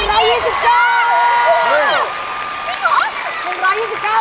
ไม่ถูกร้อยเหรอไม่ถูกร้อย